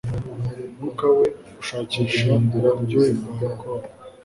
umwuka we ushakisha uburyohe bwa alcool